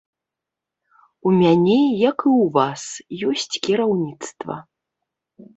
У мяне, як і ў вас, ёсць кіраўніцтва.